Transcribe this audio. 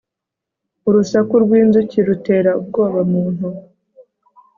urusaku rwinzuki rutera ubwoba muntu